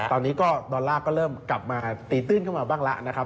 ตอนนี้ก็ดอลลาร์ก็เริ่มกลับมาตีตื้นเข้ามาบ้างแล้วนะครับ